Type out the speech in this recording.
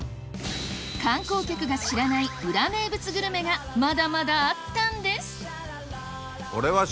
観光客が知らない裏名物グルメがまだまだあったんです